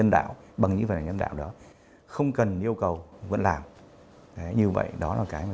đây là một cái làm nhân đạo